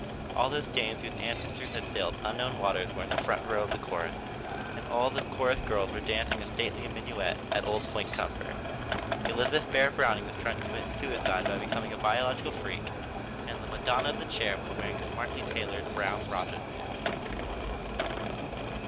All those dames whose ancestors had sailed unknown waters were in the front row of the chorus, and all the chorus girls were dancing a stately minuet at Old Point Comfort. Elizabeth Barrett Browning was trying to commit suicide by becoming a biological freak, and the Madonna of the Chair was wearing a smartly tailored brown rajah suit.